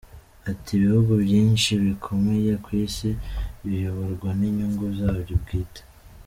Ati”Ibihugu byinshi bikomeye ku isi biyoborwa n’inyungu zabyo bwite.